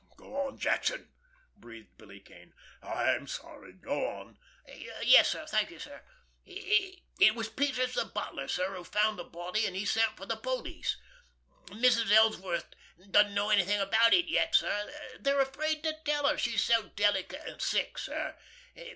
"Go on, Jackson!" breathed Billy Kane. "I'm sorry! Go on!" "Yes, sir; thank you, sir. It was Peters, the butler, sir, who found the body, and he sent for the police. Mrs. Ellsworth doesn't know anything about it yet, sir. They're afraid to tell her, she's so delicate and sick, sir.